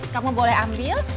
kamu boleh ambil